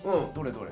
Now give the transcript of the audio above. どれ？